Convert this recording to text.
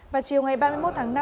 vào chiều ngày ba mươi một tháng năm